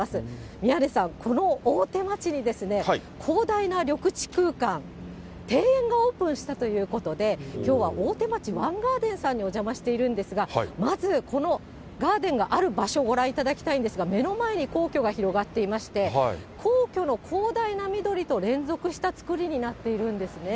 宮根さん、この大手町にですね、広大な緑地空間、庭園がオープンしたということで、きょうは大手町・ワン・ガーデンさんにお邪魔しているんですが、まずこのガーデンがある場所、ご覧いただきたいんですが、目の前に皇居が広がっていまして、皇居の広大な緑と連続した造りになっているんですね。